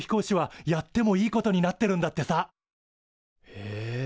へえ。